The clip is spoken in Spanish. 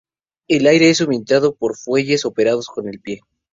El aire es suministrado por fuelles operados con el pie.